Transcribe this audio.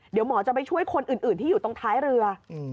เดี๋ยวหมอจะไปช่วยคนอื่นที่อยู่ตรงท้ายเรือ